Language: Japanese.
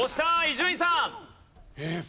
伊集院さん。